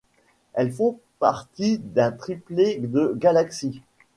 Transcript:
Elles font partie d'un triplet de galaxies.